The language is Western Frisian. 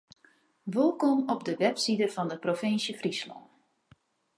Wolkom op de webside fan de provinsje Fryslân.